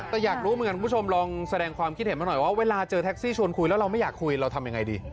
แต่อยากรู้เหมือนกันคุณผู้ชมลองแสดงความคิดเห็นมาหน่อยว่าเวลาเจอแท็กซี่ชวนคุยแล้วเราไม่อยากคุยเราทำยังไงดี